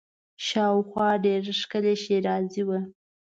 شاوخوا ډېره ښکلې ښېرازي وه.